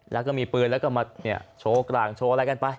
แล้วก็มีปืนแล้วก็มาโชว์กลางโชว์อะไรกันไป